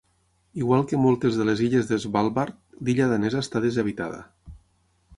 Igual que moltes de les illes de Svalbard, l'illa Danesa està deshabitada.